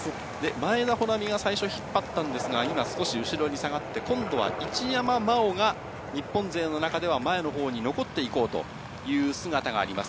前田穂南が最初、引っ張ったんですが、今、少し後ろに下がって、今度は一山麻緒が日本勢の中では前のほうに残っていこうという姿があります。